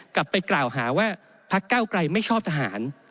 กลับไปกล่าวหาว่าพักเก้าไกลไม่ชอบทหาร